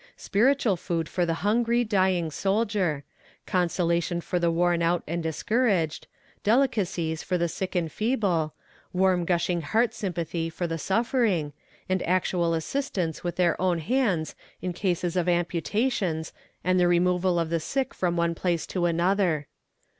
Spiritual food for the hungry, dying soldier consolation for the worn out and discouraged delicacies for the sick and feeble warm gushing heart sympathy for the suffering, and actual assistance with their own hands in cases of amputations, and the removal of the sick from one place to another.